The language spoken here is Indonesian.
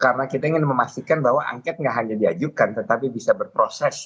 karena kita ingin memastikan bahwa angket itu gak hanya diajukan tetapi bisa berproses